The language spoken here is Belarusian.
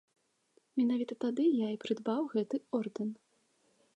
Менавіта тады я і прыдбаў гэты ордэн.